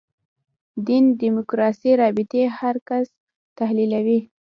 دین دیموکراسي رابطې هر کس تحلیلوي.